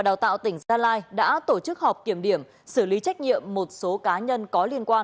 đào tạo tỉnh gia lai đã tổ chức họp kiểm điểm xử lý trách nhiệm một số cá nhân có liên quan